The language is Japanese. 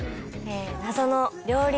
謎の料理